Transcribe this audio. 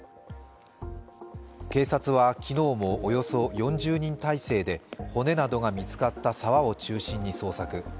警察は昨日もおよそ４０人態勢で骨などが見つかった沢を中心に捜索。